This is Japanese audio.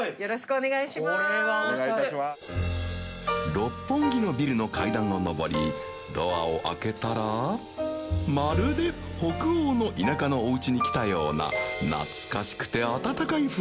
六本木のビルの階段を上りドアを開けたらまるで北欧の田舎のおうちに来たような靴堂垢な薫狼